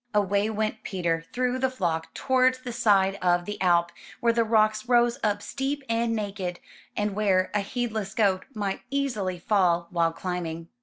Away went Peter through the flock towards the side of the Alp, where the rocks rose up steep and naked, and where a heedless goat might easily fall while climbing.